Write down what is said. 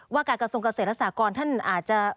การกระทรงเกษตรและสากรท่านอาจจะ